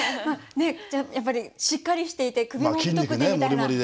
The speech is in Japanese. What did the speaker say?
ねえじゃあやっぱりしっかりしていて首も太くてみたいな。